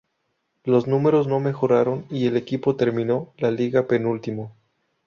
Los números no mejoraron y el equipo terminó la Liga penúltimo.